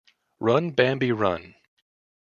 'Run, Bambi, run!